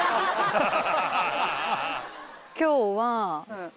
今日は私。